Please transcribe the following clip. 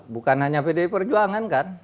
bukan hanya pdi perjuangan kan